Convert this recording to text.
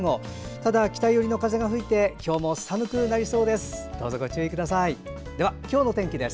ただ、北寄りの風が吹いて今日も寒くなりそうです。